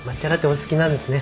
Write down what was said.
お好きなんですね。